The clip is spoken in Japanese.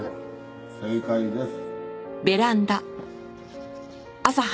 正解です。